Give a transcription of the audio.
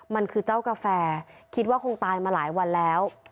มันคือเจ้ากาแฟคิดว่าคงตายมาหลายวันแล้ว